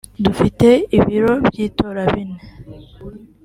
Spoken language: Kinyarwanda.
Dufite ibiro by’itora bine